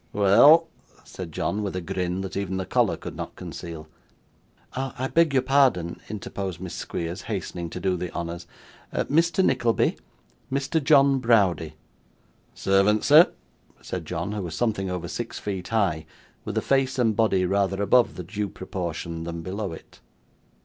'Weel,' said John with a grin that even the collar could not conceal. 'I beg your pardon,' interposed Miss Squeers, hastening to do the honours. 'Mr. Nickleby Mr. John Browdie.' 'Servant, sir,' said John, who was something over six feet high, with a face and body rather above the due proportion than below it.